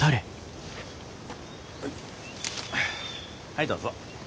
はいどうぞ。